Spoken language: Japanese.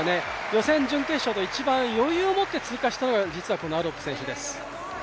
予選、準決勝と一番余裕を持って通過したのはこのアロップ選手です。